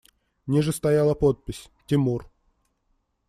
Ниже стояла подпись: «Тимур».